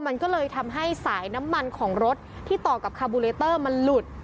มันก็เลยทำให้สายน้ำมันของรถที่ต่อกับคาบูเลเตอร์มันหลุด